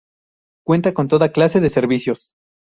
Cuenta con toda clase de servicios.